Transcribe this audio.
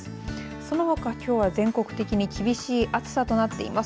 そのほか、きょうは全国的に厳しい暑さとなっています。